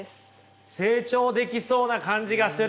成長できそうな感じがする。